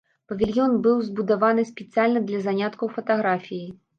Павільён быў збудаваны спецыяльна для заняткаў фатаграфіяй.